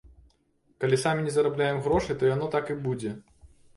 Калі самі не зарабляем грошы, то яно так і будзе.